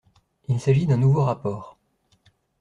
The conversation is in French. Il s’agit d’un nouveau rapport.